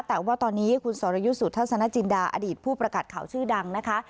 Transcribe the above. แต่ว่าตอนนี้คุณสรยุทธสนจินดาอดีตผู้ประกาศข่าวชื่อดังนะคะ